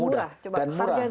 mudah dan murah